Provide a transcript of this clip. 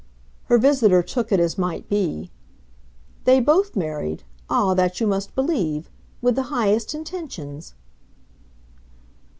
Her visitor took it as might be. "They both married ah, that you must believe! with the highest intentions."